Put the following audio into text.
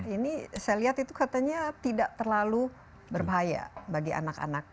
ini saya lihat itu katanya tidak terlalu berbahaya bagi anak anak